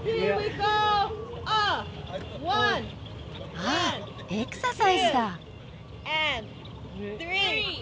ああエクササイズだ。